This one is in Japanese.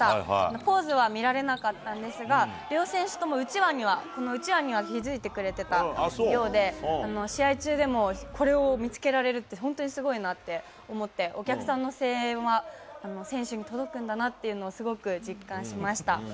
ポーズは見られなかったんですが、両選手ともうちわには気付いてくれたようで、試合中でもこれを見つけられるって、本当にすごいなって思って、お客さんの声援は選手に届くんだなというのをすごく実感しました。